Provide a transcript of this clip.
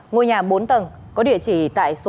ngôi nhà bốn tầng có địa chỉ tại số hai trăm năm mươi năm